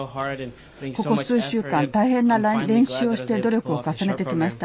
ここ数週間、大変な練習をして努力を重ねてきました。